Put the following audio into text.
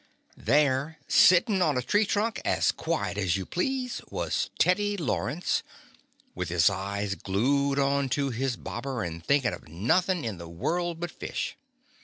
There, sittin' on a tree trunk, as quiet as you please, was Teddy Law rence, with his eyes glued on to his bobber, and thinkin' of nothing in the world but fish.